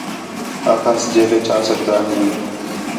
آکھاس جیلے چا سڳدا ہیں